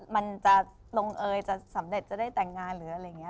มันจะลงเอยจะสำเร็จจะได้แต่งงานหรืออะไรอย่างนี้